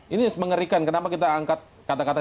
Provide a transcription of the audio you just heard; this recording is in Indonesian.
ini mengerikan kenapa kita angkat kata kata